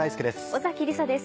尾崎里紗です。